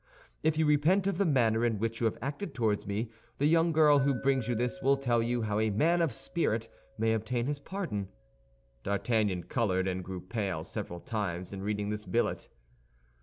If you repent of the manner in which you have acted toward me, the young girl who brings you this will tell you how a man of spirit may obtain his pardon. D'Artagnan colored and grew pale several times in reading this billet.